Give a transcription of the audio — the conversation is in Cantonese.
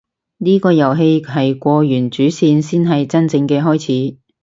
呢個遊戲係過完主線先係真正嘅開始